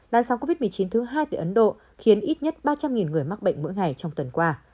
làn sóng covid một mươi chín thứ hai tại ấn độ khiến ít nhất ba trăm linh người mắc bệnh mỗi ngày trong tuần qua